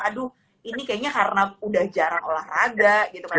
aduh ini kayaknya karena udah jarang olahraga gitu kan